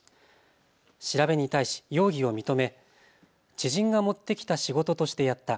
調べに対し容疑を認め知人が持ってきた仕事としてやった。